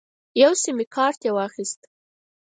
یو سیم کارت یې واخیست.